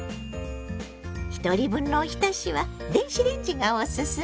ひとり分のおひたしは電子レンジがオススメよ。